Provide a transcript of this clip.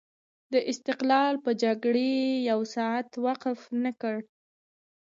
د استقلال په جګړې یو ساعت وقف نه کړ.